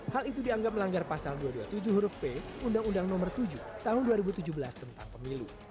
hal itu dianggap melanggar pasal dua ratus dua puluh tujuh huruf p undang undang nomor tujuh tahun dua ribu tujuh belas tentang pemilu